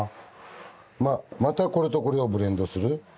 またこれとこれをブレンドする。